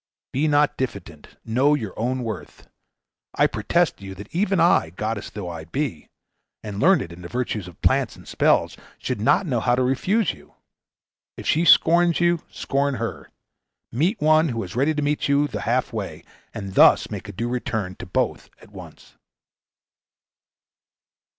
Be not diffident, know your own worth. I protest to you that even I, goddess though I be, and learned in the virtues of plants and spells, should not know how to refuse you. If she scorns you scorn her; meet one who is ready to meet you half way, and thus make a due return to both at once."